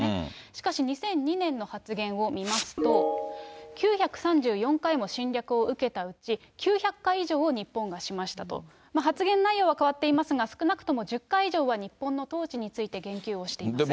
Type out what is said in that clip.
しかし、２００２年の発言を見ますと、９３４回も侵略を受けたうち、９００回以上を日本がしましたと、発言内容は変わっていますが、少なくとも１０回以上は日本の統治について言及をしています。